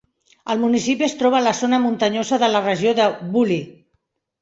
El municipi es troba a la zona muntanyosa de la regió de Vully.